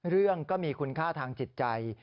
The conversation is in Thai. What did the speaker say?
เรื่องก็มีคุณค่าทางจิตใจ